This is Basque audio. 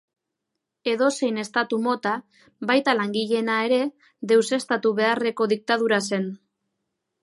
Edozein estatu mota, baita langileena ere, deuseztatu beharreko diktadura zen.